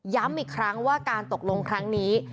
อีกครั้งว่าการตกลงครั้งนี้